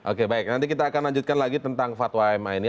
oke baik nanti kita akan lanjutkan lagi tentang fatwa ma ini